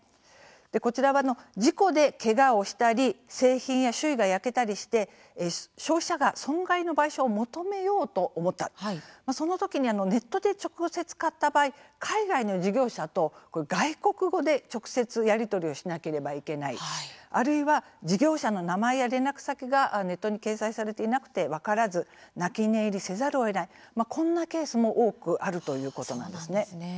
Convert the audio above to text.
こちらは事故で、けがをしたり製品や周囲が焼けたりして消費者が損害の賠償を求めようと思った、その時にネットで直接、買った場合海外の事業者と外国語で直接やり取りをしなければいけないあるいは事業者の名前や連絡先がネットに掲載されていなくて分からず泣き寝入りせざるをえないこんなケースも多くあるということなんですね。